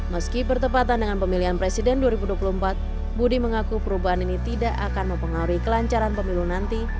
meski bertepatan dengan pemilihan presiden dua ribu dua puluh empat budi mengaku perubahan ini tidak akan mempengaruhi kelancaran pemilu nanti